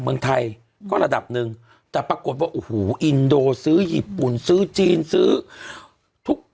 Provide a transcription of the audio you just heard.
เมืองไทยก็ระดับหนึ่งแต่ปรากฏว่าโอ้โหอินโดซื้อญี่ปุ่นซื้อจีนซื้อทุก